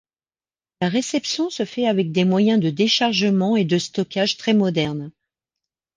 La réception se fait avec des moyens de déchargement et de stockage très modernes.